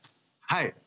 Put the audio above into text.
はい。